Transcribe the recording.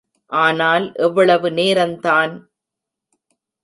ஆனால் எவ்வளவு நேரந்தான்.